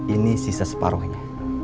ini sisa separohnya